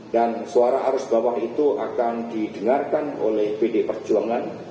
dan suara arus bawah itu akan didengarkan oleh pdi perjuangan